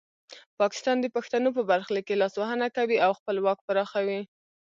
پاکستان د پښتنو په برخلیک کې لاسوهنه کوي او خپل واک پراخوي.